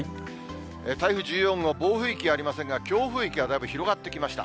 台風１４号、暴風域ありませんが、強風域はだいぶ広がってきました。